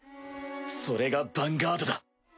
それがヴァンガードだ！